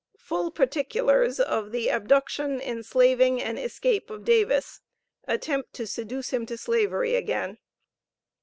FULL PARTICULARS OF THE ABDUCTION, ENSLAVING AND ESCAPE OF DAVIS. ATTEMPT TO SEDUCE HIM TO SLAVERY AGAIN.